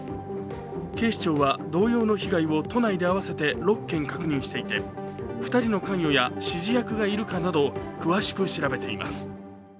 警視庁は同様の被害を都内で合わせて６件確認していて２人の関与や指示役がいるかなど詳しく調べています。